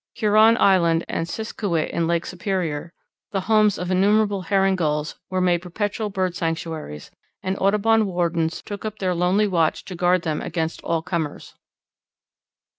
Huron Island and Siskiwit in Lake Superior, the homes of innumerable Herring Gulls, were made perpetual bird sanctuaries, and Audubon wardens took up their lonely watch to guard them against all comers.